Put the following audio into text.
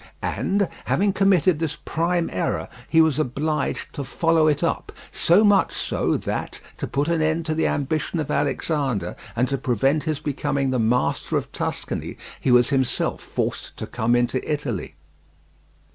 And having committed this prime error, he was obliged to follow it up, so much so that, to put an end to the ambition of Alexander, and to prevent his becoming the master of Tuscany, he was himself forced to come into Italy.